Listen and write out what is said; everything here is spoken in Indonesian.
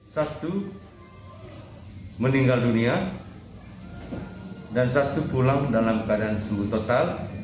satu meninggal dunia dan satu pulang dalam keadaan sembuh total